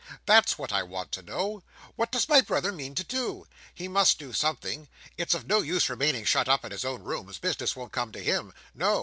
That's what I want to know. What does my brother mean to do? He must do something. It's of no use remaining shut up in his own rooms. Business won't come to him. No.